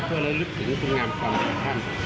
เพื่อระลึกถึงคุณงามความของท่าน